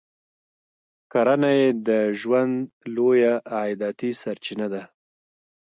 کرنه یې د ژوند لویه عایداتي سرچینه ده.